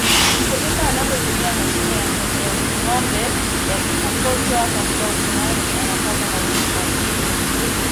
mkulima anapotumia mashine ya ngombe ya kukokotwa katika uvunaji anapata mavuno mazuri